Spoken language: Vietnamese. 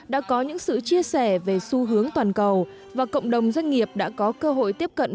đã có những sự chia sẻ về xu hướng toàn cầu và cộng đồng doanh nghiệp đã có cơ hội tiếp cận